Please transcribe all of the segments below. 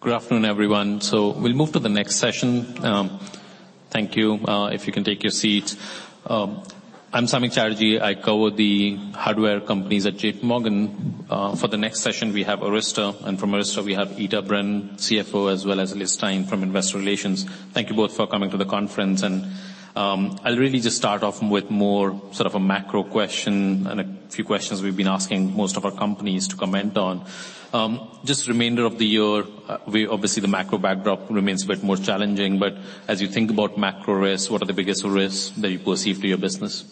Good afternoon, everyone. We'll move to the next session. Thank you. If you can take your seats. I'm Samik Chatterjee, I cover the hardware companies at JPMorgan. For the next session, we have Arista. From Arista, we have Ita Brennan, CFO, as well as Liz Stine from Investor Relations. Thank you both for coming to the conference. I'll really just start off with more sort of a macro question and a few questions we've been asking most of our companies to comment on. Just remainder of the year, obviously the macro backdrop remains a bit more challenging, but as you think about macro risks, what are the biggest risks that you perceive to your business?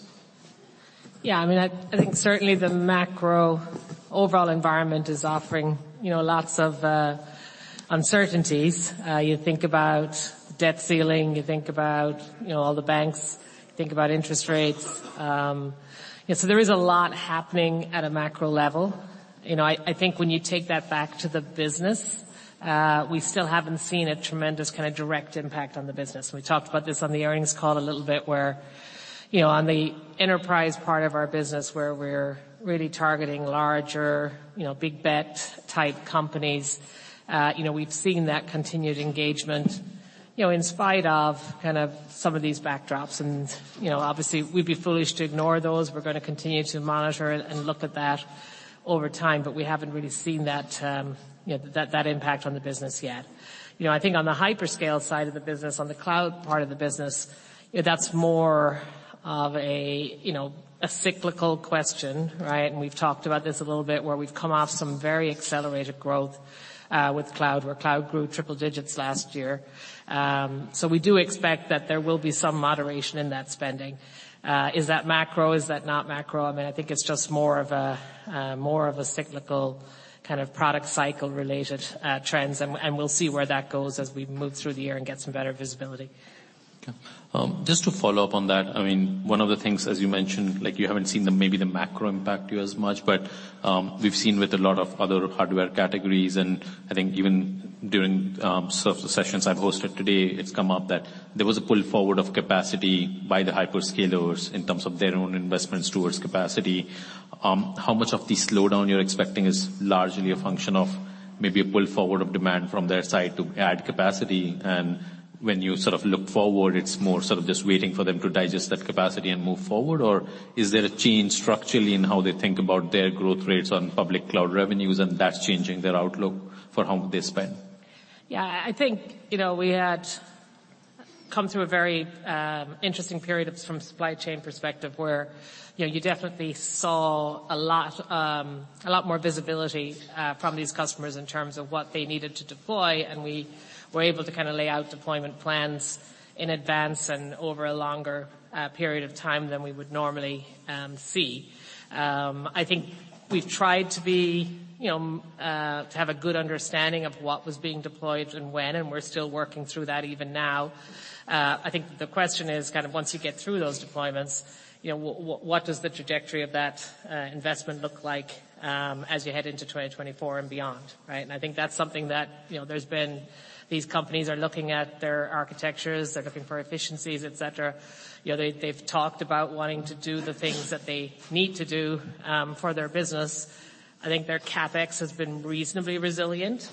Yeah, I mean, I think certainly the macro overall environment is offering, you know, lots of uncertainties. You think about debt ceiling, you think about, you know, all the banks, think about interest rates. Yes, so there is a lot happening at a macro level. You know, I think when you take that back to the business, we still haven't seen a tremendous kind of direct impact on the business. We talked about this on the earnings call a little bit where, you know, on the enterprise part of our business where we're really targeting larger, you know, big bet type companies, you know, we've seen that continued engagement, you know, in spite of kind of some of these backdrops. You know, obviously we'd be foolish to ignore those. We're gonna continue to monitor and look at that over time. We haven't really seen that, you know, that impact on the business yet. You know, I think on the hyperscale side of the business, on the cloud part of the business, you know, that's more of a, you know, a cyclical question, right. We've talked about this a little bit, where we've come off some very accelerated growth with cloud, where cloud grew triple digits last year. We do expect that there will be some moderation in that spending. Is that macro? Is that not macro? I mean, I think it's just more of a, more of a cyclical kind of product cycle related trends, and we'll see where that goes as we move through the year and get some better visibility. Okay. Just to follow up on that, I mean, one of the things, as you mentioned, like you haven't seen the maybe the macro impact you as much, but we've seen with a lot of other hardware categories, and I think even during sort of the sessions I've hosted today, it's come up that there was a pull forward of capacity by the hyperscalers in terms of their own investments towards capacity. How much of the slowdown you're expecting is largely a function of maybe a pull forward of demand from their side to add capacity and when you sort of look forward, it's more sort of just waiting for them to digest that capacity and move forward? Or is there a change structurally in how they think about their growth rates on public cloud revenues and that's changing their outlook for how they spend? Yeah. I think, you know, we had come through a very, interesting period of... from supply chain perspective where, you know, you definitely saw a lot, a lot more visibility, from these customers in terms of what they needed to deploy, and we were able to kind of lay out deployment plans in advance and over a longer, period of time than we would normally, see. I think we've tried to be, you know, to have a good understanding of what was being deployed and when, and we're still working through that even now. I think the question is kind of once you get through those deployments, you know, what does the trajectory of that, investment look like, as you head into 2024 and beyond, right? I think that's something that, you know, there's been... These companies are looking at their architectures, they're looking for efficiencies, et cetera. You know, they've talked about wanting to do the things that they need to do for their business. I think their CapEx has been reasonably resilient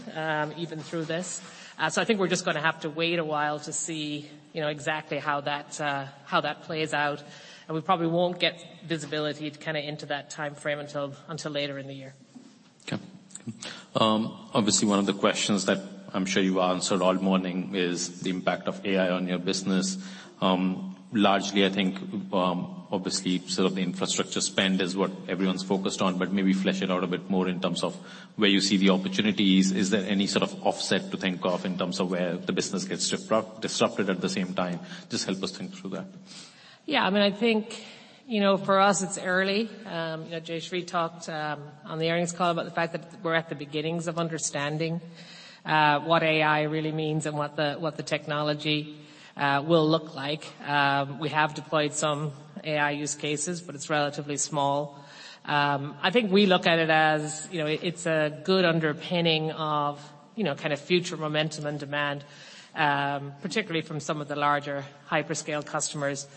even through this. I think we're just gonna have to wait a while to see, you know, exactly how that plays out, and we probably won't get visibility to kinda enter that timeframe until later in the year. Okay. Obviously one of the questions that I'm sure you answered all morning is the impact of AI on your business. Largely, I think, obviously sort of the infrastructure spend is what everyone's focused on, but maybe flesh it out a bit more in terms of where you see the opportunities. Is there any sort of offset to think of in terms of where the business gets disrupted at the same time? Just help us think through that. Yeah. I mean, I think, you know, for us it's early. You know, Jayshree talked on the earnings call about the fact that we're at the beginnings of understanding what AI really means and what the, what the technology will look like. We have deployed some AI use cases, but it's relatively small. I think we look at it as, you know, it's a good underpinning of, you know, kind of future momentum and demand, particularly from some of the larger hyperscale customers.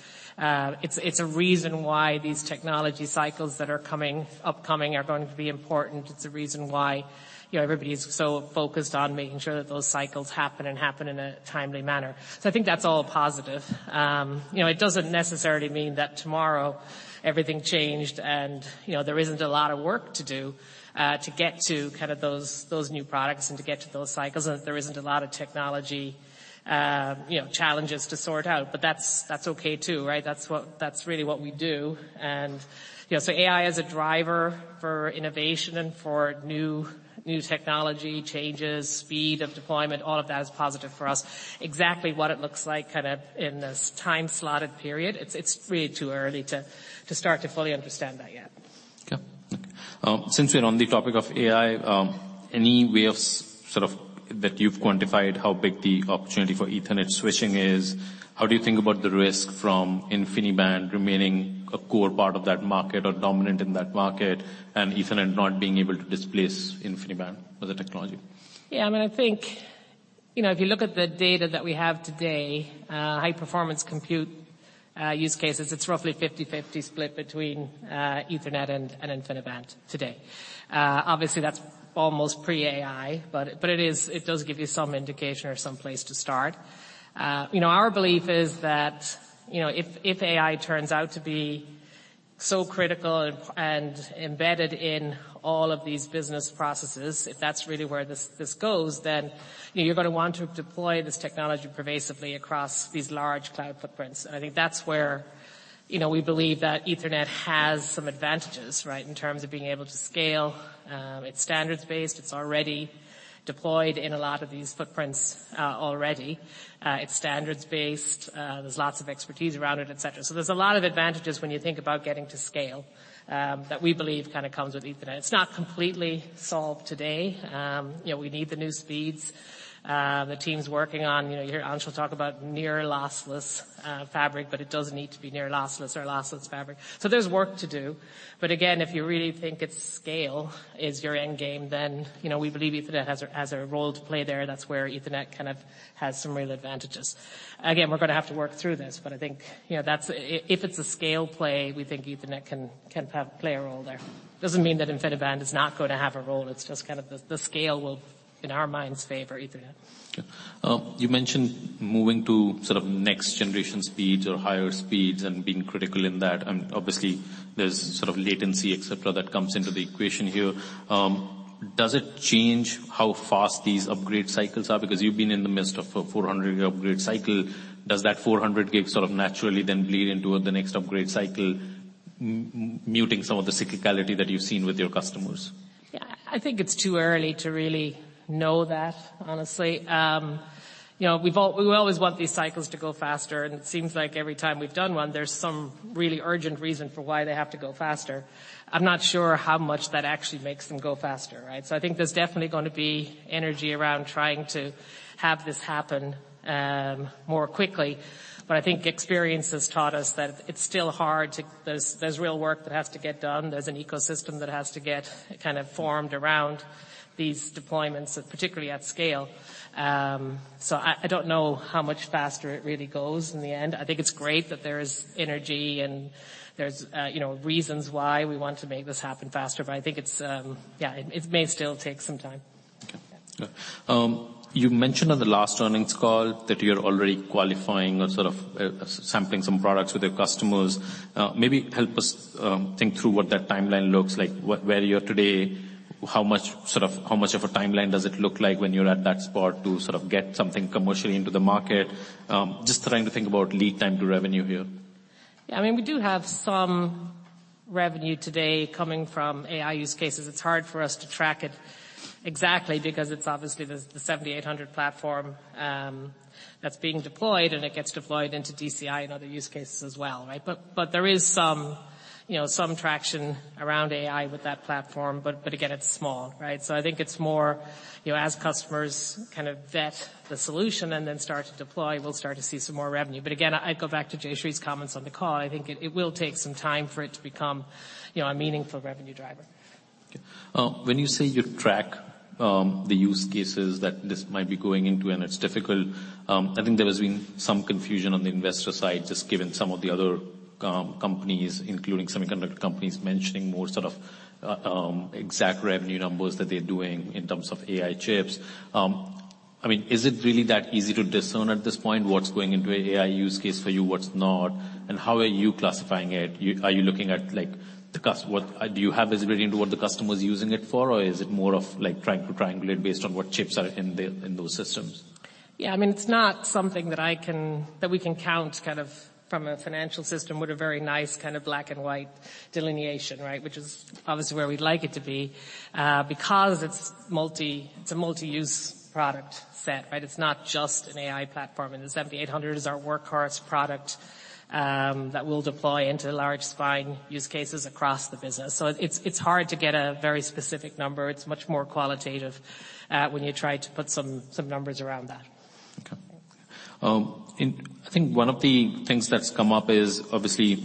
It's, it's a reason why these technology cycles that are coming, upcoming are going to be important. It's a reason why, you know, everybody's so focused on making sure that those cycles happen and happen in a timely manner. I think that's all positive. You know, it doesn't necessarily mean that tomorrow everything changed and, you know, there isn't a lot of work to do, to get to kind of those new products and to get to those cycles, and that there isn't a lot of technology, you know, challenges to sort out. That's, that's okay too, right? That's really what we do. You know, AI is a driver for innovation and for new technology changes, speed of deployment, all of that is positive for us. Exactly what it looks like kind of in this time slotted period, it's really too early to start to fully understand that yet. Okay. Since we're on the topic of AI, any way of sort of that you've quantified how big the opportunity for Ethernet switching is? How do you think about the risk from InfiniBand remaining a core part of that market or dominant in that market, and Ethernet not being able to displace InfiniBand as a technology? I mean, you know, if you look at the data that we have today, high-performance computing use cases, it's roughly 50/50 split between Ethernet and InfiniBand today. Obviously, that's almost pre-AI, but it does give you some indication or some place to start. You know, our belief is that, you know, if AI turns out to be so critical and embedded in all of these business processes, if that's really where this goes, you know, you're going to want to deploy this technology pervasively across these large cloud footprints. I think that's where, you know, we believe that Ethernet has some advantages, right? In terms of being able to scale. It's standards-based. It's already deployed in a lot of these footprints already. It's standards-based. There's lots of expertise around it, et cetera. There's a lot of advantages when you think about getting to scale that we believe kinda comes with Ethernet. It's not completely solved today. You know, we need the new speeds. The team's working on, you know, you hear Anshul talk about near lossless fabric, but it does need to be near lossless or lossless fabric. There's work to do, but again, if you really think its scale is your end game, then, you know, we believe Ethernet has a role to play there. That's where Ethernet kind of has some real advantages. Again, we're gonna have to work through this, but I think, you know, that's if it's a scale play, we think Ethernet can play a role there. Doesn't mean that InfiniBand is not gonna have a role, it's just kind of the scale will, in our minds, favor Ethernet. You mentioned moving to sort of next generation speeds or higher speeds and being critical in that, obviously there's sort of latency, et cetera, that comes into the equation here. Does it change how fast these upgrade cycles are? You've been in the midst of a 400 upgrade cycle. Does that 400 Gig sort of naturally then bleed into the next upgrade cycle muting some of the cyclicality that you've seen with your customers? I think it's too early to really know that, honestly. You know, we always want these cycles to go faster, and it seems like every time we've done one, there's some really urgent reason for why they have to go faster. I'm not sure how much that actually makes them go faster, right? I think there's definitely gonna be energy around trying to have this happen more quickly. I think experience has taught us that it's still hard to... There's real work that has to get done. There's an ecosystem that has to get kind of formed around these deployments, particularly at scale. I don't know how much faster it really goes in the end. I think it's great that there's energy and there's, you know, reasons why we want to make this happen faster, but I think it's, yeah, it may still take some time. Okay. Sure. You mentioned on the last earnings call that you're already qualifying or sort of, sampling some products with your customers. Maybe help us think through what that timeline looks like. Where you are today, how much of a timeline does it look like when you're at that spot to sort of get something commercially into the market? Just trying to think about lead time to revenue here. I mean, we do have some revenue today coming from AI use cases. It's hard for us to track it exactly because it's obviously the 7800 Series platform that's being deployed, and it gets deployed into DCI and other use cases as well, right? There is some, you know, some traction around AI with that platform, but again, it's small, right? I think it's more, you know, as customers kind of vet the solution and then start to deploy, we'll start to see some more revenue. Again, I'd go back to Jayshree's comments on the call. I think it will take some time for it to become, you know, a meaningful revenue driver. When you say you track the use cases that this might be going into and it's difficult, I think there has been some confusion on the investor side, just given some of the other companies, including semiconductor companies, mentioning more sort of exact revenue numbers that they're doing in terms of AI chips. I mean, is it really that easy to discern at this point what's going into AI use case for you, what's not, and how are you classifying it? Are you looking at, like, the customer, do you have visibility into what the customer is using it for, or is it more of, like, trying to triangulate based on what chips are in the, in those systems? Yeah. I mean, it's not something that we can count kind of from a financial system with a very nice kind of black and white delineation, right? Which is obviously where we'd like it to be. Because it's a multi-use product set, right? It's not just an AI platform. The 7800 Series is our workhorse product, that we'll deploy into large spine use cases across the business. It's, it's hard to get a very specific number. It's much more qualitative, when you try to put some numbers around that. Okay. I think one of the things that's come up is, obviously,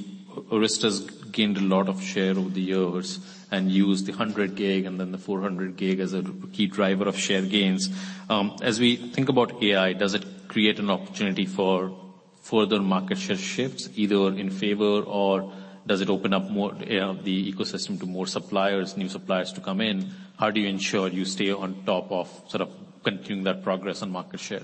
Arista's gained a lot of share over the years and used the 100 Gig and then the 400 Gig as a key driver of share gains. As we think about AI, does it create an opportunity for further market share shifts, either in favor, or does it open up more, the ecosystem to more suppliers, new suppliers to come in? How do you ensure you stay on top of sort of continuing that progress on market share?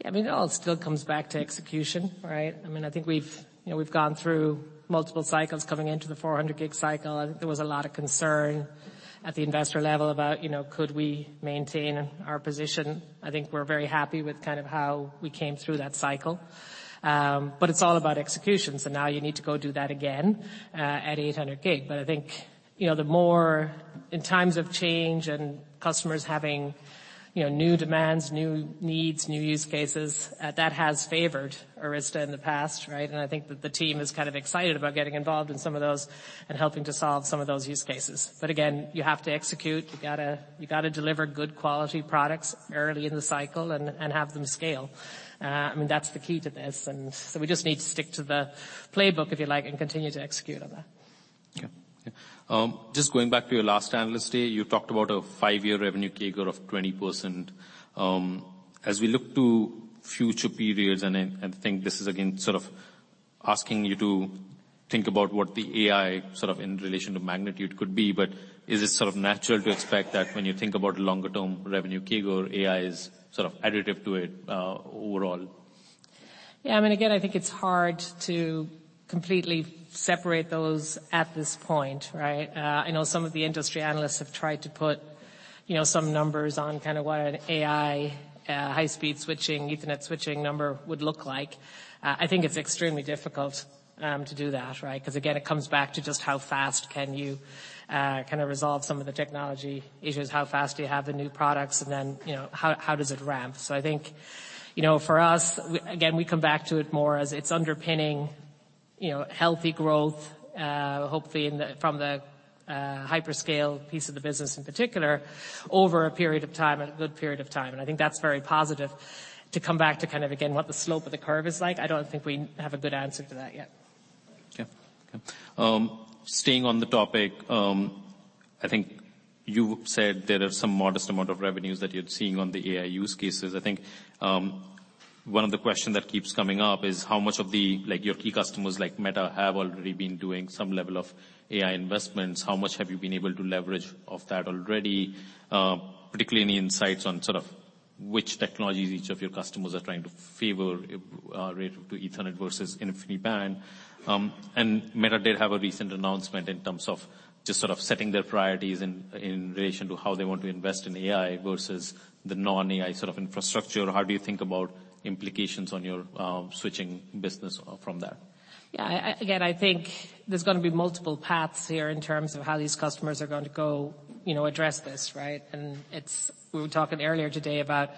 Yeah. I mean, it all still comes back to execution, right? I mean, I think we've, you know, we've gone through multiple cycles coming into the 400 Gig cycle. I think there was a lot of concern at the investor level about, you know, could we maintain our position. I think we're very happy with kind of how we came through that cycle. It's all about execution, so now you need to go do that again at 800G. I think, you know, in times of change and customers having, you know, new demands, new needs, new use cases, that has favored Arista in the past, right? I think that the team is kind of excited about getting involved in some of those and helping to solve some of those use cases. Again, you have to execute. You gotta deliver good quality products early in the cycle and have them scale. I mean, that's the key to this. We just need to stick to the playbook, if you like, and continue to execute on that. Just going back to your last analyst day, you talked about a five-year revenue CAGR of 20%. As we look to future periods and I think this is again sort of asking you to think about what the AI sort of in relation to magnitude could be, but is it sort of natural to expect that when you think about longer-term revenue CAGR, AI is sort of additive to it, overall? I mean, again, I think it's hard to completely separate those at this point, right? I know some of the industry analysts have tried to put, you know, some numbers on kind of what an AI, high-speed switching, Ethernet switching number would look like. I think it's extremely difficult to do that, right? 'Cause again, it comes back to just how fast can you kinda resolve some of the technology issues, how fast do you have the new products, and then, you know, how does it ramp? I think, you know, for us, again, we come back to it more as it's underpinning, you know, healthy growth, hopefully from the hyperscale piece of the business in particular, over a period of time and a good period of time. I think that's very positive to come back to kind of again, what the slope of the curve is like. I don't think we have a good answer to that yet. Okay. Okay. Staying on the topic, I think you said there are some modest amount of revenues that you're seeing on the AI use cases. I think, one of the question that keeps coming up is how much of the like your key customers like Meta, have already been doing some level of AI investments, how much have you been able to leverage of that already? Particularly any insights on sort of which technologies each of your customers are trying to favor, relative to Ethernet versus InfiniBand? Meta did have a recent announcement in terms of just sort of setting their priorities in relation to how they want to invest in AI versus the non-AI sort of infrastructure. How do you think about implications on your switching business from that? Again, I think there's gonna be multiple paths here in terms of how these customers are going to go, you know, address this, right? It's. We were talking earlier today about,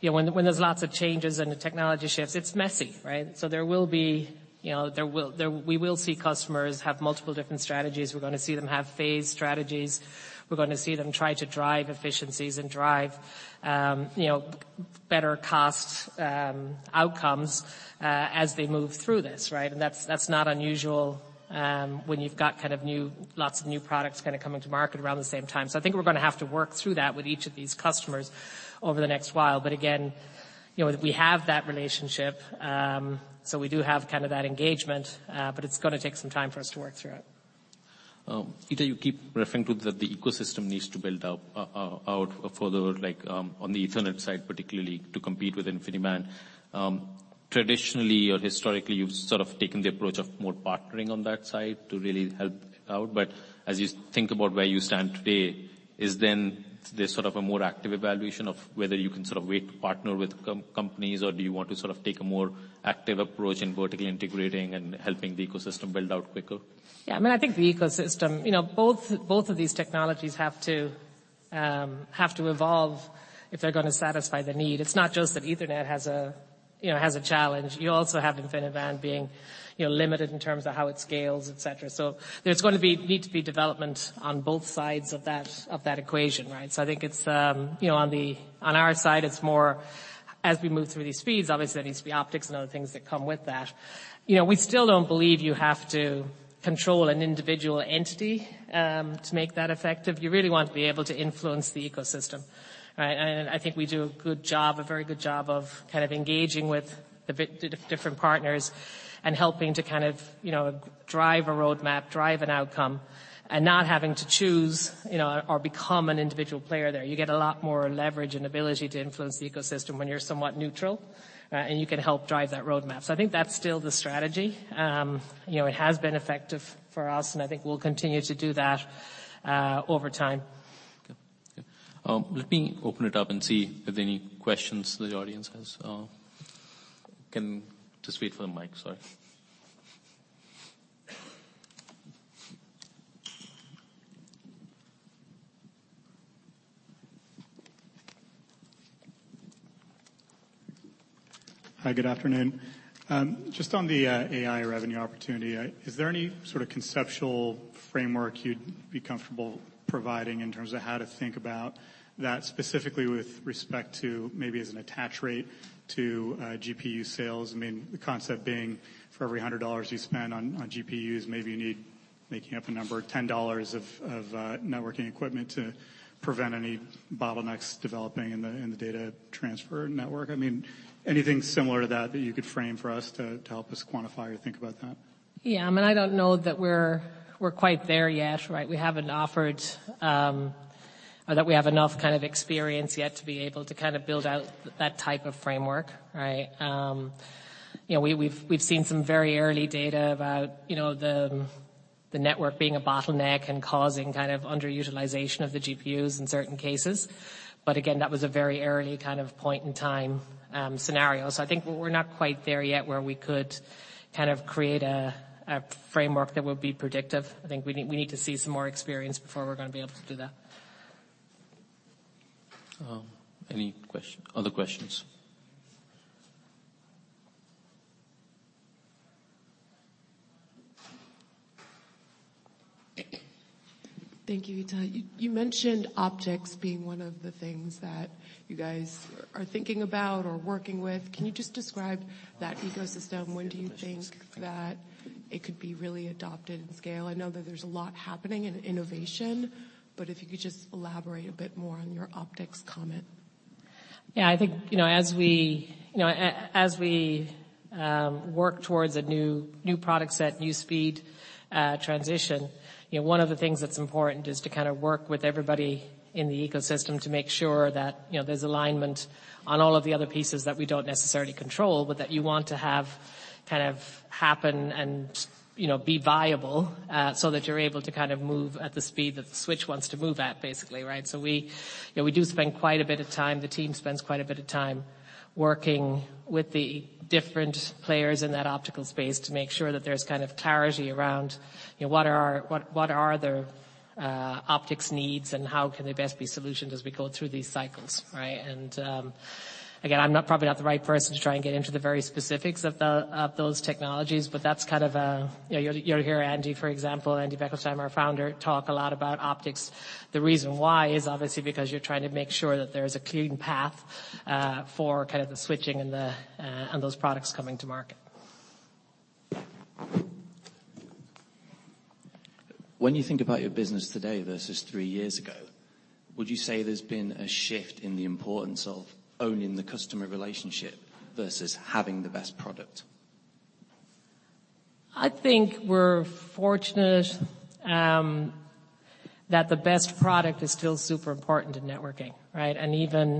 you know, when there's lots of changes and the technology shifts, it's messy, right? There will be, you know, there will, we will see customers have multiple different strategies. We're gonna see them have phase strategies. We're gonna see them try to drive efficiencies and drive, you know, better cost outcomes as they move through this, right? That's, that's not unusual when you've got kind of new lots of new products kinda coming to market around the same time. I think we're gonna have to work through that with each of these customers over the next while. Again, you know, we have that relationship, so we do have kind of that engagement, but it's gonna take some time for us to work through it. Ita, you keep referring to that the ecosystem needs to build out out further, like, on the Ethernet side, particularly to compete with InfiniBand. Traditionally or historically, you've sort of taken the approach of more partnering on that side to really help out. As you think about where you stand today, is then there's sort of a more active evaluation of whether you can sort of wait to partner with companies, or do you want to sort of take a more active approach in vertically integrating and helping the ecosystem build out quicker? Yeah. I mean, I think the ecosystem, you know, both of these technologies have to have to evolve if they're gonna satisfy the need. It's not just that Ethernet has a, you know, has a challenge. You also have InfiniBand being, you know, limited in terms of how it scales, et cetera. There's gonna be need to be development on both sides of that, of that equation, right? I think it's, you know, on the on our side, it's more as we move through these speeds, obviously there needs to be optics and other things that come with that. You know, we still don't believe you have to control an individual entity to make that effective. You really want to be able to influence the ecosystem, right? I think we do a good job, a very good job of kind of engaging with the different partners and helping to kind of, you know, drive a roadmap, drive an outcome, and not having to choose, you know, or become an individual player there. You get a lot more leverage and ability to influence the ecosystem when you're somewhat neutral, and you can help drive that roadmap. I think that's still the strategy. You know, it has been effective for us, and I think we'll continue to do that over time. Okay. Okay. Let me open it up and see if there are any questions the audience has. Just wait for the mic. Sorry. Hi, good afternoon. Just on the AI revenue opportunity, is there any sort of conceptual framework you'd be comfortable providing in terms of how to think about that specifically with respect to maybe as an attach rate to GPU sales? The concept being for every $100 you spend on GPUs, maybe you need, making up a number, $10 of networking equipment to prevent any bottlenecks developing in the data transfer network. Anything similar to that you could frame for us to help us quantify or think about that? Yeah. I mean, I don't know that we're quite there yet, right? We haven't offered, or that we have enough kind of experience yet to be able to kind of build out that type of framework. Right? You know, we've seen some very early data about, you know, the network being a bottleneck and causing kind of underutilization of the GPUs in certain cases. Again, that was a very early kind of point in time, scenario. I think we're not quite there yet where we could kind of create a framework that would be predictive. I think we need to see some more experience before we're gonna be able to do that. Any other questions? Thank you, Ita. You mentioned objects being one of the things that you guys are thinking about or working with. Can you just describe that ecosystem? When do you think that it could be really adopted in scale? I know that there's a lot happening in innovation, but if you could just elaborate a bit more on your optics comment. Yeah, I think, you know, as we work towards a new product set, new speed transition, you know, one of the things that's important is to kind of work with everybody in the ecosystem to make sure that, you know, there's alignment on all of the other pieces that we don't necessarily control, but that you want to have kind of happen and, you know, be viable, so that you're able to kind of move at the speed that the switch wants to move at, basically, right? We, you know, we do spend quite a bit of time, the team spends quite a bit of time working with the different players in that optical space to make sure that there's kind of clarity around, you know, what are the optics needs, and how can they best be solutioned as we go through these cycles, right? Again, I'm not probably not the right person to try and get into the very specifics of those technologies, but that's kind of. You know, you'll hear Andy, for example, Andy Bechtolsheim, our founder, talk a lot about optics. The reason why is obviously because you're trying to make sure that there's a clean path for kind of the switching and the and those products coming to market. When you think about your business today versus three years ago, would you say there's been a shift in the importance of owning the customer relationship versus having the best product? I think we're fortunate that the best product is still super important in networking, right. Even,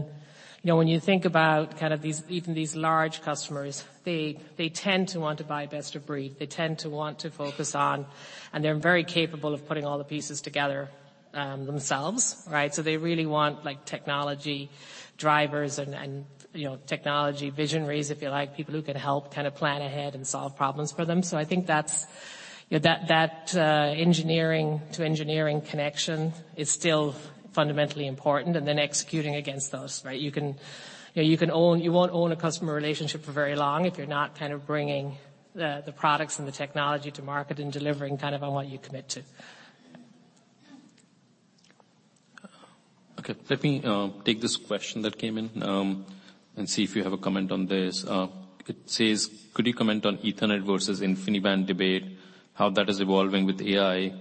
you know, when you think about kind of these, even these large customers, they tend to want to buy best of breed. They tend to want to focus on, and they're very capable of putting all the pieces together themselves, right. They really want, like, technology drivers and, you know, technology visionaries, if you like, people who can help kind of plan ahead and solve problems for them. I think that's, you know, that engineering-to-engineering connection is still fundamentally important, and then executing against those, right. You can, you know, you can own. You won't own a customer relationship for very long if you're not kind of bringing the products and the technology to market and delivering kind of on what you commit to. Okay. Let me take this question that came in, and see if you have a comment on this. It says, "Could you comment on Ethernet versus InfiniBand debate, how that is evolving with AI?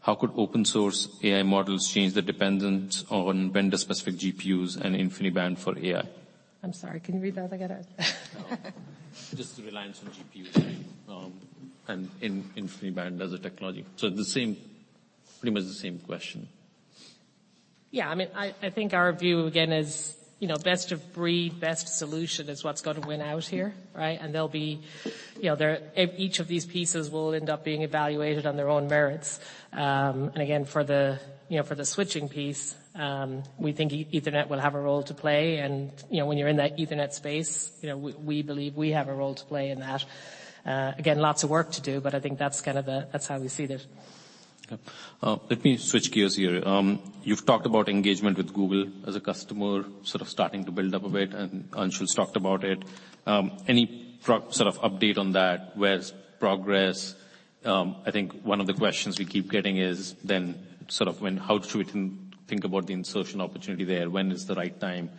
How could open source AI models change the dependence on vendor-specific GPUs and InfiniBand for AI? I'm sorry, can you read that again? Just the reliance on GPUs and InfiniBand as a technology. The same, pretty much the same question. Yeah. I mean, I think our view, again, is, you know, best of breed, best solution is what's gonna win out here, right? They'll be, you know, each of these pieces will end up being evaluated on their own merits. Again, for the, you know, for the switching piece, we think Ethernet will have a role to play. You know, when you're in that Ethernet space, you know, we believe we have a role to play in that. Again, lots of work to do, I think that's kind of that's how we see it. Okay. Let me switch gears here. You've talked about engagement with Google as a customer, sort of starting to build up a bit, and Anshul's talked about it. Any sort of update on that? Where's progress? I think one of the questions we keep getting is then sort of when... how should we think about the insertion opportunity there? When is the right time?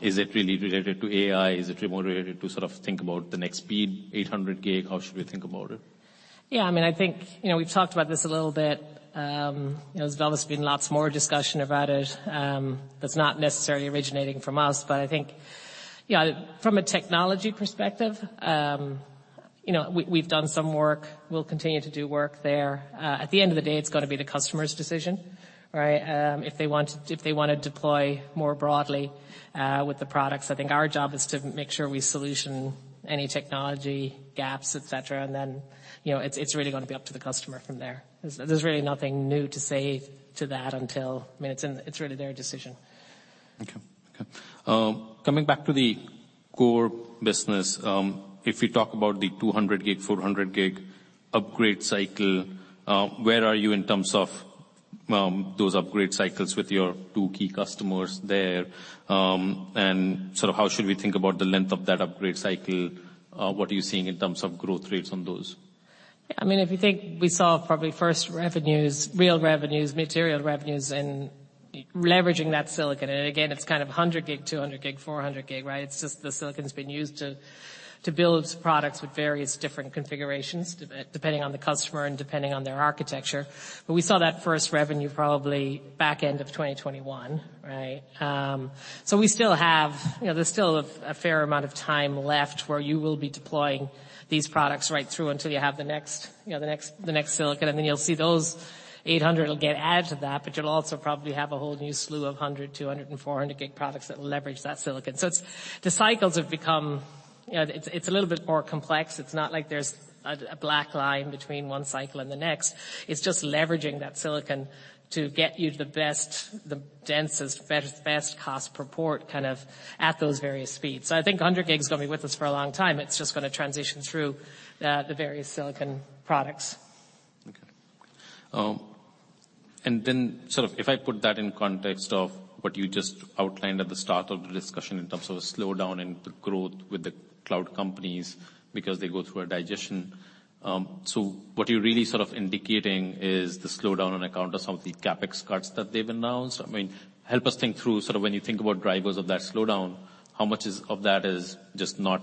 Is it really related to AI? Is it more related to sort of think about the next speed, 800 Gig? How should we think about it? Yeah. I mean, I think, you know, we've talked about this a little bit. You know, there's obviously been lots more discussion about it, that's not necessarily originating from us. I think, you know, from a technology perspective, you know, we've done some work. We'll continue to do work there. At the end of the day, it's gotta be the customer's decision, right? If they wanna deploy more broadly, with the products. I think our job is to make sure we solution any technology gaps, et cetera. You know, it's really gonna be up to the customer from there. There's really nothing new to say to that until... I mean, it's really their decision. Okay. Okay. Coming back to the core business. If we talk about the 200 Gig, 400 Gig upgrade cycle, where are you in terms of, those upgrade cycles with your two key customers there? Sort of how should we think about the length of that upgrade cycle? What are you seeing in terms of growth rates on those? I mean, if you think we saw probably first revenues, real revenues, material revenues in leveraging that silicon. Again, it's kind of a 100 Gig, 200 Gig, 400 Gig, right? It's just the silicon's been used to build products with various different configurations, depending on the customer and depending on their architecture. We saw that first revenue probably back end of 2021, right? You know, there's still a fair amount of time left where you will be deploying these products right through until you have the next, you know, the next silicon. Then you'll see those 800G will get added to that, but you'll also probably have a whole new slew of 100 Gig, 200 Gig, and 400 Gig products that will leverage that silicon. The cycles have become, you know, it's a little bit more complex. It's not like there's a black line between one cycle and the next. It's just leveraging that silicon to get you the best, the densest, better, best cost per port, kind of at those various speeds. I think 100 Gig is gonna be with us for a long time. It's just gonna transition through the various silicon products. Okay. Then sort of if I put that in context of what you just outlined at the start of the discussion in terms of a slowdown in the growth with the cloud companies because they go through a digestion. What you're really sort of indicating is the slowdown on account of some of the CapEx cuts that they've announced. I mean, help us think through sort of when you think about drivers of that slowdown How much of that is just not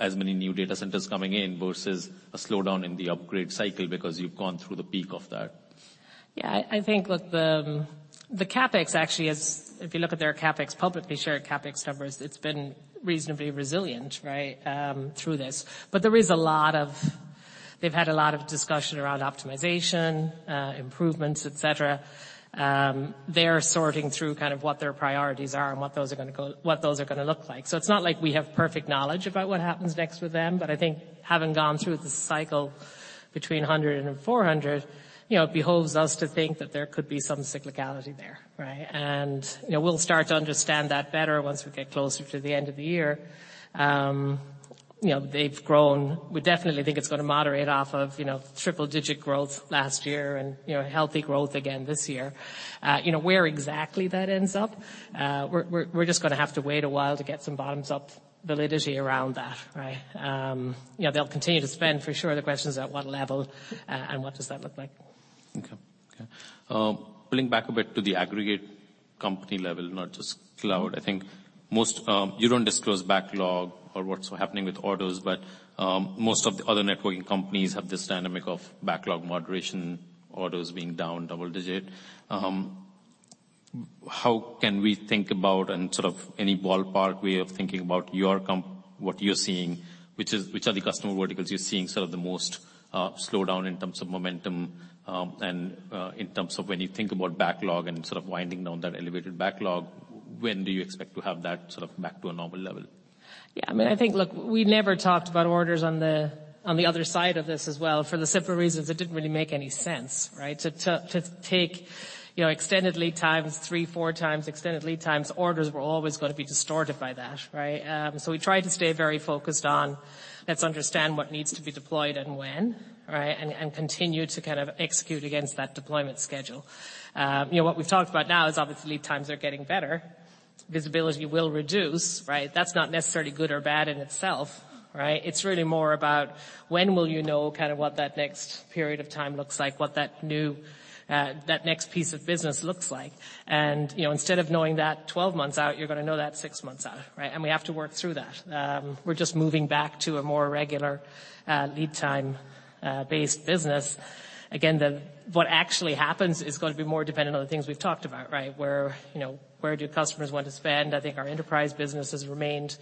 as many new data centers coming in versus a slowdown in the upgrade cycle because you've gone through the peak of that? Yeah, I think, look, the CapEx actually is... If you look at their CapEx publicly shared CapEx numbers, it's been reasonably resilient, right, through this. They've had a lot of discussion around optimization, improvements, et cetera. They're sorting through kind of what their priorities are and what those are gonna look like. It's not like we have perfect knowledge about what happens next with them, but I think having gone through the cycle between 100 and 400, you know, it behoves us to think that there could be some cyclicality there, right? You know, we'll start to understand that better once we get closer to the end of the year. You know, they've grown. We definitely think it's gonna moderate off of, you know, triple-digit growth last year and, you know, healthy growth again this year. You know, where exactly that ends up, we're just gonna have to wait a while to get some bottoms-up validity around that, right? You know, they'll continue to spend for sure. The question is at what level and what does that look like. Okay. Okay. Pulling back a bit to the aggregate company level, not just cloud. I think most You don't disclose backlog or what's happening with orders, but most of the other networking companies have this dynamic of backlog moderation, orders being down double digit. How can we think about and sort of any ballpark way of thinking about your what you're seeing, which are the customer verticals you're seeing sort of the most slowdown in terms of momentum, and in terms of when you think about backlog and sort of winding down that elevated backlog, when do you expect to have that sort of back to a normal level? Yeah, I mean, I think, look, we never talked about orders on the, on the other side of this as well for the simple reasons it didn't really make any sense, right? To take, you know, extended lead times three, four times, extended lead times, orders were always gonna be distorted by that, right? We tried to stay very focused on let's understand what needs to be deployed and when, right, and continue to kind of execute against that deployment schedule. You know, what we've talked about now is obviously lead times are getting better. Visibility will reduce, right? That's not necessarily good or bad in itself, right? It's really more about when will you know kind of what that next period of time looks like, what that new, that next piece of business looks like. You know, instead of knowing that 12 months out, you're gonna know that six months out, right? We have to work through that. We're just moving back to a more regular lead time based business. What actually happens is gonna be more dependent on the things we've talked about, right? Where, you know, where do customers want to spend? I think our enterprise business has remained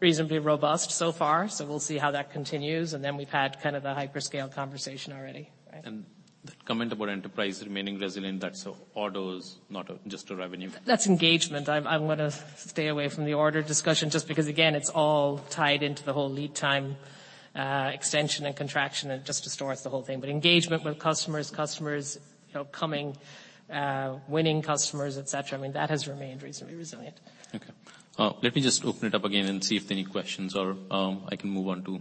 reasonably robust so far, so we'll see how that continues, and then we've had kind of the hyperscale conversation already, right? The comment about enterprise remaining resilient, that's orders, not just a revenue. That's engagement. I'm gonna stay away from the order discussion just because again, it's all tied into the whole lead time, extension and contraction, and it just distorts the whole thing. Engagement with customers, you know, coming, winning customers, et cetera, I mean, that has remained reasonably resilient. Okay. Let me just open it up again and see if there any questions or, I can move on to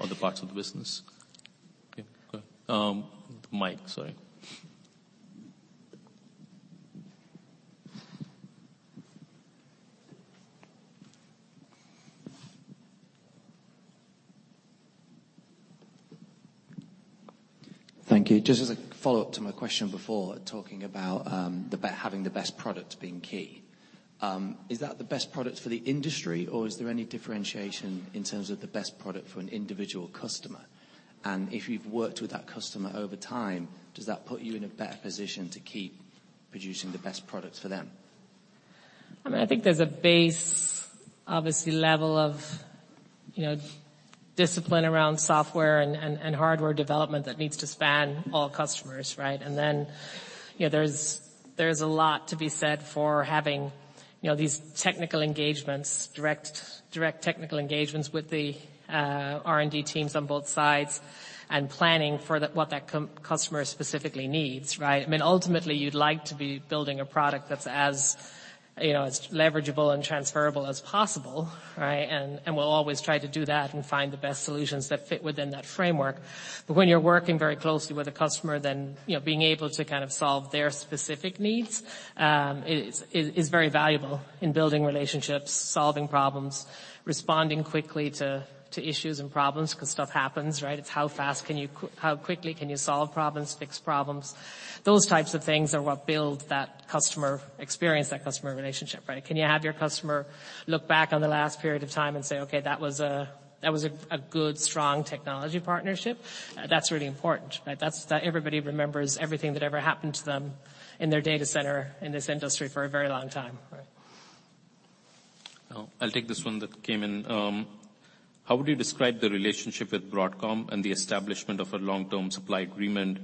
other parts of the business. Okay, go ahead. Mike, sorry. Thank you. Just as a follow-up to my question before, talking about, having the best product being key. Is that the best product for the industry, or is there any differentiation in terms of the best product for an individual customer? If you've worked with that customer over time, does that put you in a better position to keep producing the best products for them? I mean, I think there's a base, obviously, level of, you know, discipline around software and hardware development that needs to span all customers, right? Then, you know, there's a lot to be said for having, you know, these technical engagements, direct technical engagements with the R&D teams on both sides and planning for what that customer specifically needs, right? I mean, ultimately, you'd like to be building a product that's as, you know, as leverageable and transferable as possible, right? We'll always try to do that and find the best solutions that fit within that framework. When you're working very closely with a customer, then, you know, being able to kind of solve their specific needs is very valuable in building relationships, solving problems, responding quickly to issues and problems, because stuff happens, right? It's how fast how quickly can you solve problems, fix problems. Those types of things are what build that customer experience, that customer relationship, right? Can you have your customer look back on the last period of time and say, "Okay, that was a good, strong technology partnership"? That's really important, right? Everybody remembers everything that ever happened to them in their data center in this industry for a very long time, right? I'll take this one that came in. How would you describe the relationship with Broadcom and the establishment of a long-term supply agreement?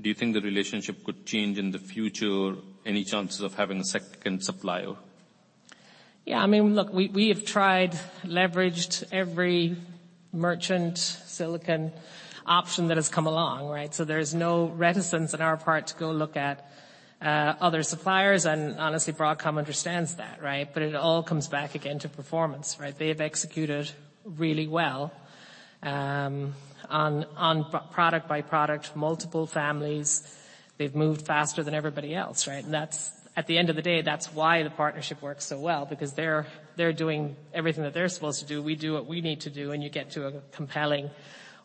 Do you think the relationship could change in the future? Any chances of having a second supplier? Yeah, I mean, look, we have tried, leveraged every merchant silicon option that has come along, right? There's no reticence on our part to go look at other suppliers, and honestly, Broadcom understands that, right? It all comes back again to performance, right? They have executed really well on product by product, multiple families. They've moved faster than everybody else, right? At the end of the day, that's why the partnership works so well, because they're doing everything that they're supposed to do, we do what we need to do, and you get to a compelling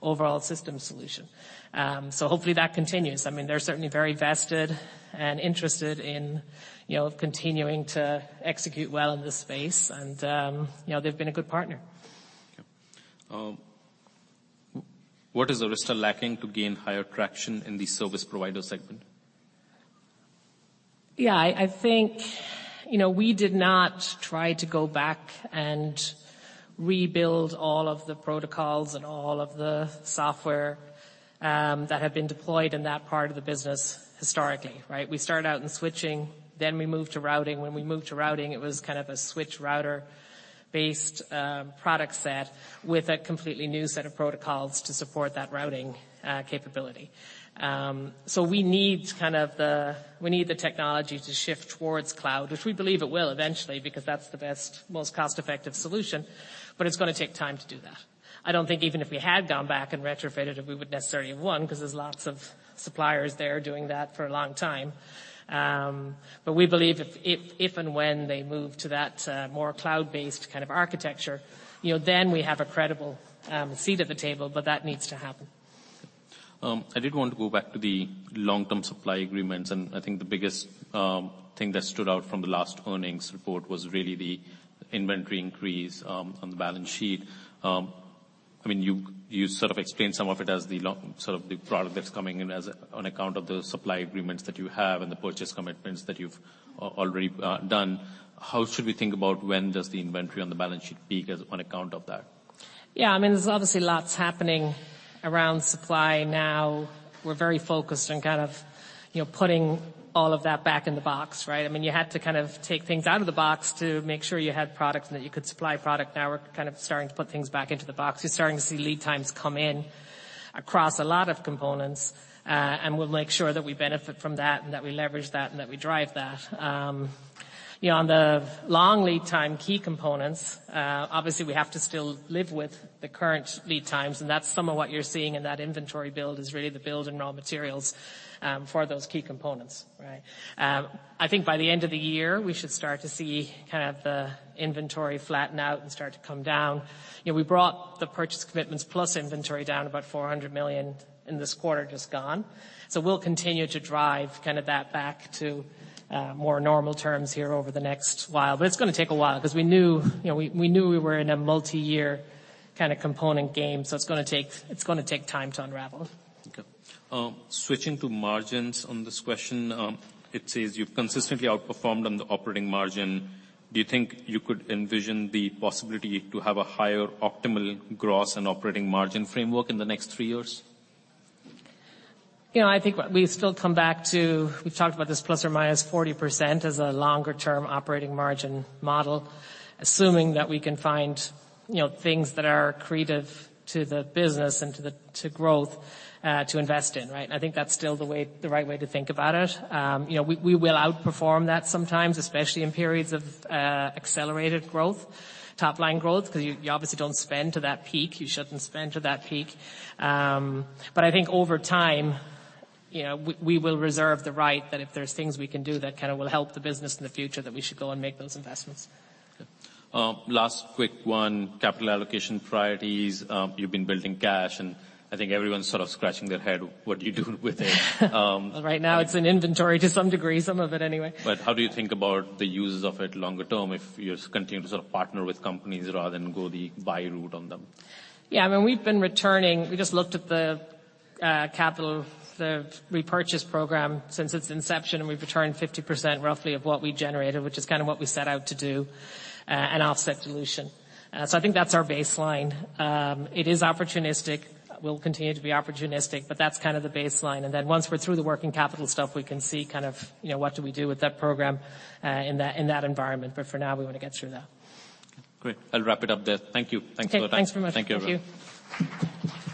overall system solution. Hopefully, that continues. I mean, they're certainly very vested and interested in, you know, continuing to execute well in this space and, you know, they've been a good partner. Okay. What is Arista lacking to gain higher traction in the service provider segment? Yeah, I think, you know, we did not try to go back and rebuild all of the protocols and all of the software that had been deployed in that part of the business historically, right? We started out in switching, then we moved to routing. When we moved to routing, it was kind of a switch router-based product set with a completely new set of protocols to support that routing capability. We need the technology to shift towards cloud, which we believe it will eventually because that's the best, most cost-effective solution, but it's gonna take time to do that. I don't think even if we had gone back and retrofitted, we would necessarily have won 'cause there's lots of suppliers there doing that for a long time. We believe if and when they move to that, more cloud-based kind of architecture, you know, then we have a credible seat at the table, but that needs to happen. I did want to go back to the long-term supply agreements. I think the biggest thing that stood out from the last earnings report was really the inventory increase on the balance sheet. I mean, you sort of explained some of it as sort of the product that's coming in as on account of the supply agreements that you have and the purchase commitments that you've already done. How should we think about when does the inventory on the balance sheet peak as on account of that? Yeah. I mean, there's obviously lots happening around supply now. We're very focused on kind of, you know, putting all of that back in the box, right? I mean, you had to kind of take things out of the box to make sure you had products and that you could supply product. Now we're kind of starting to put things back into the box. We're starting to see lead times come in across a lot of components. We'll make sure that we benefit from that, and that we leverage that, and that we drive that. You know, on the long lead time key components, obviously we have to still live with the current lead times, and that's some of what you're seeing in that inventory build is really the build in raw materials, for those key components, right? I think by the end of the year, we should start to see kind of the inventory flatten out and start to come down. You know, we brought the purchase commitments plus inventory down about $400 million in this quarter just gone. We'll continue to drive kind of that back to more normal terms here over the next while. It's gonna take a while 'cause we knew, you know, we knew we were in a multiyear kind of component game, so it's gonna take time to unravel. Switching to margins on this question. It says, you've consistently outperformed on the operating margin. Do you think you could envision the possibility to have a higher optimal gross and operating margin framework in the next three years? You know, I think what we still come back to, we've talked about this ±40% as a longer-term operating margin model, assuming that we can find, you know, things that are accretive to the business and to the, to growth, to invest in, right? I think that's still the right way to think about it. You know, we will outperform that sometimes, especially in periods of accelerated growth, top line growth, 'cause you obviously don't spend to that peak. You shouldn't spend to that peak. I think over time, you know, we will reserve the right that if there's things we can do that kinda will help the business in the future, that we should go and make those investments. Last quick one. Capital allocation priorities. You've been building cash, and I think everyone's sort of scratching their head, what do you do with it? Right now it's in inventory to some degree. Some of it anyway. How do you think about the uses of it longer term if you continue to sort of partner with companies rather than go the buy route on them? Yeah. I mean, we've been returning... We just looked at the capital, the repurchase program since its inception, and we've returned 50% roughly of what we generated, which is kind of what we set out to do, and offset dilution. I think that's our baseline. It is opportunistic. We'll continue to be opportunistic, but that's kind of the baseline. Then once we're through the working capital stuff, we can see kind of, you know, what do we do with that program, in that, in that environment. For now we wanna get through that. Great. I'll wrap it up there. Thank you. Thanks for the time. Okay. Thanks very much. Thank you everyone. Thank you.